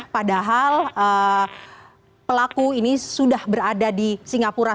padahal pelaku ini sudah berada di singapura